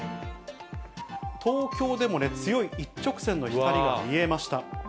東京でもね、強い一直線の光が見えました。